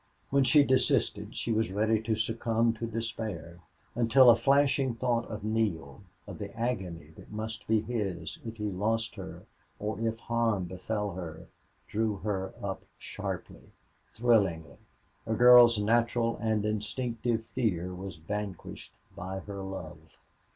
When she desisted she was ready to succumb to despair, until a flashing thought of Neale, of the agony that must be his if he lost her or if harm befell her, drew her up sharply, thrillingly. A girl's natural and instinctive fear was vanquished by her love.